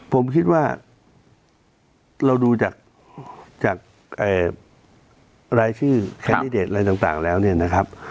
ผมคิดว่าเราดูจากรายชื่อแคนดิเดตอะไรต่างแล้วเนี่ยนะครับ